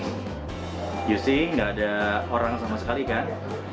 kamu lihat gak ada orang sama sekali kan